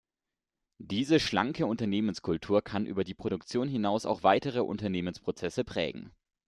Diese schlanke Unternehmenskultur kann über die Produktion hinaus auch weitere Unternehmensprozesse prägen.